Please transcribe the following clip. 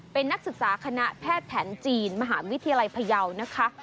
เป็นนักศึกษาคณะแพทย์แผนจีนมหาวิทยาลัยพยาวนะคะ